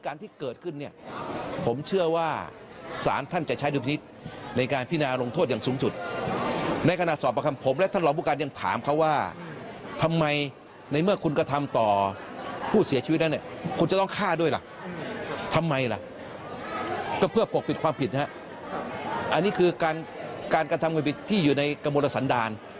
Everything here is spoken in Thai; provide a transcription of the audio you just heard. อันนี้คือการการทำผิดที่อยู่ในกระโมลสันดาน